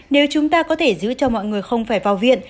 nếu chúng ta có thể giữ cho mọi người không phải vào viện